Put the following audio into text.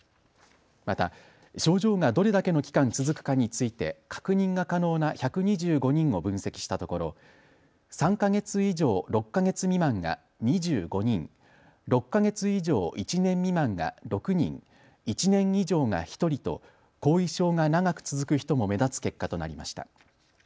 また、症状がどれだけの期間続くかについて確認が可能な１２５人を分析したところ３か月以上６か月未満が２５人、６か月以上１年未満が６人、１年以上が１人と後遺症が長く続く人も目立つ結果となりました。